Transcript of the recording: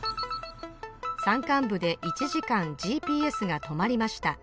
山間部で１時間ＧＰＳが止まりました